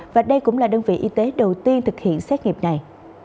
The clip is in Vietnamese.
và đây cũng là đơn vị y tế đầu tiên thực hiện xét nghiệm này